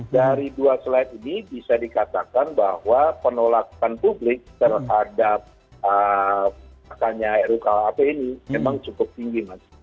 dari dua slide ini bisa dikatakan bahwa penolakan publik terhadap rukuhp ini memang cukup tinggi mas